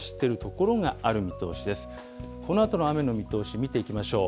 このあとの雨の見通し、見ていきましょう。